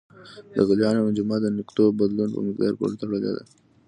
د غلیان او انجماد د نقطو بدلون په مقدار پورې تړلی دی.